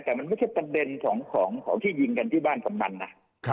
แต่มันไม่ใช่ประเด็นของที่ยิงกันที่บ้านกำนันนะ